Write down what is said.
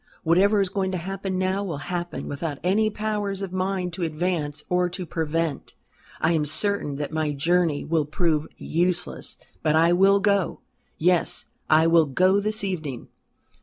Whatever is going to happen now will happen without any power of mine to advance or to prevent. I am certain that my journey will prove useless. But I will go. Yes, I will go this evening."